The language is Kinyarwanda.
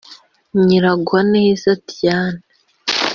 Nyiragwaneza Diane